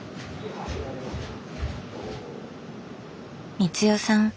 光代さん